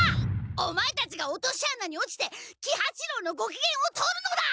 オマエたちが落とし穴に落ちて喜八郎のごきげんを取るのだ！